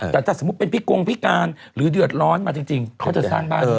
แต่ถ้าสมมุติเป็นพี่กงพิการหรือเดือดร้อนมาจริงเขาจะสร้างบ้าน